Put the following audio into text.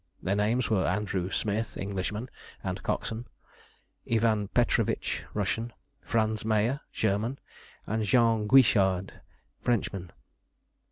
Their names were Andrew Smith, Englishman, and coxswain; Ivan Petrovitch, Russian; Franz Meyer, German; and Jean Guichard, Frenchman.